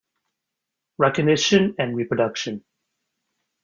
Recognition and reproduction.